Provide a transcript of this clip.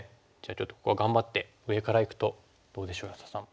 ちょっとここは頑張って上からいくとどうでしょう安田さん。